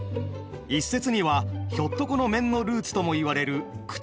一説にはひょっとこの面のルーツともいわれる口をとがらせたもの。